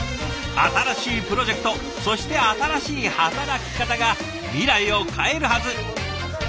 新しいプロジェクトそして新しい働き方が未来を変えるはず。